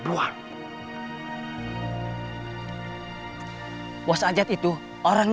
gak keluasan ah tanahnya